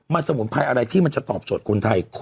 มันสมุนไพรอะไรที่มันจะตอบโจทย์คนไทย